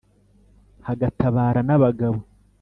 hagatabara n'abagabo